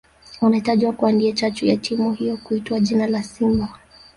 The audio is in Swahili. Anatajwa kuwa ndiye chachu ya timu hiyo kuitwa jina la Simba